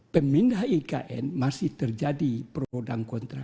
pemindah ikn masih terjadi perhudang kontrak